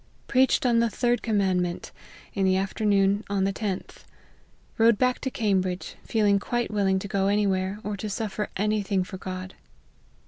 Preached on the third commandment : in the after noon on the tenth. Rode back to Cambridge, feeling quite willing to go any where, or to suffer any thing for God.